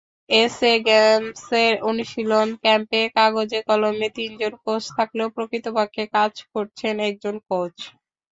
SA গেমসের অনুশীলন ক্যাম্পে কাগজে-কলমে তিনজন কোচ থাকলেও প্রকৃতপক্ষে কাজ করছেন একজন কোচ।